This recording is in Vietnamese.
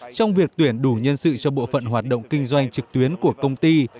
trong việc tuyển đủ nhân sự cho bộ phận hoạt động kinh doanh trực tuyến của công ty